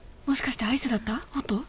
もしかしてアイスだった？